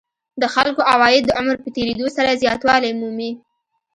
د خلکو عواید د عمر په تېرېدو سره زیاتوالی مومي